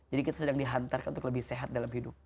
kita sedang dihantarkan untuk lebih sehat dalam hidup